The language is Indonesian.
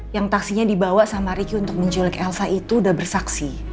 yang taksinya dibawa sama ricky untuk menculik elsa itu sudah bersaksi